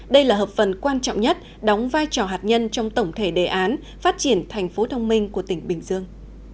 đây là hợp phần quan trọng nhất đóng vai trò hạt nhân trong tổng thể đề án phát triển thành phố thông minh của tỉnh bình dương